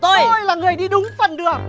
tôi là người đi đúng phần đường